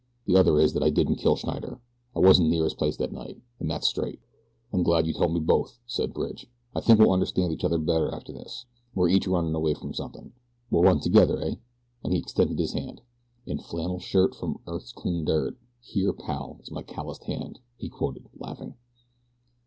The other is that I didn't kill Schneider. I wasn't near his place that night an' that's straight." "I'm glad you told me both," said Bridge. "I think we'll understand each other better after this we're each runnin' away from something. We'll run together, eh?" and he extended his hand. "In flannel shirt from earth's clean dirt, here, pal, is my calloused hand!" he quoted, laughing.